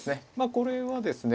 これはですね